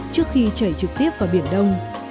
trước khi chảy trực tiếp vào biển đông